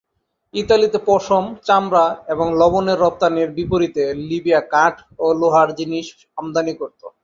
ইতালিতে পশম, চামড়া এবং লবণের রপ্তানির বিপরীতে লিবিয়া কাঠ ও লোহার জিনিস আমদানি করতো।